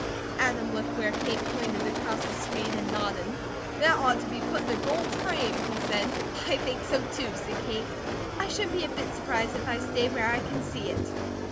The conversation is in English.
Adam looked where Kate pointed across the street, and nodded. "That ought to be put in a gold frame," he said. "I think so, too," said Kate. "I shouldn't be a bit surprised if I stay where I can see it."